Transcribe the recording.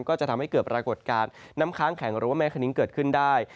ก็จะทำให้เกิดปรากฏการณ์น้ำค้างแข็งหรือว่าแม่คณิ้งเกิดขึ้นได้